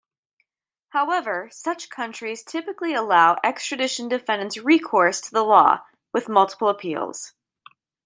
However, such countries typically allow extradition defendants recourse to the law, with multiple appeals.